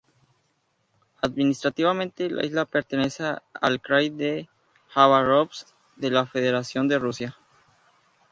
Administrativamente, la isla pertenece al Krai de Jabárovsk de la Federación de Rusia.